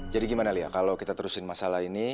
jadi gimana lia kalau kita terusin masalah ini